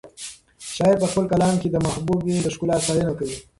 شاعر په خپل کلام کې د محبوبې د ښکلا ستاینه کوي.